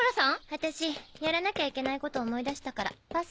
私やらなきゃいけないこと思い出したからパス。